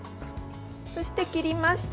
そして切りました